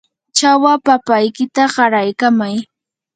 chawa papaykita qaraykamay.